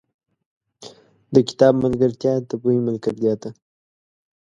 • د کتاب ملګرتیا، د پوهې ملګرتیا ده.